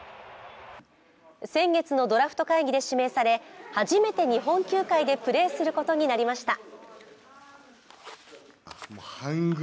先月のドラフト会議で指名され初めて日本球界でプレーすることになりました。